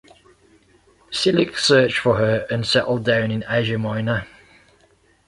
Cilix searched for her and settled down in Asia Minor.